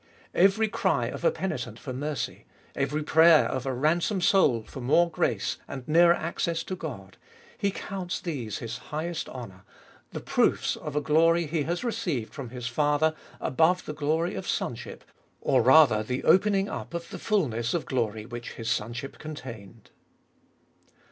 Every cry of a penitent for mercy, every prayer of a ransomed soul for more grace and nearer access to God, He counts these His highest honour, the proofs of a glory He has received from His Father above the glory of sonship, or rather the opening up of the fulness of glory which His sonship contained.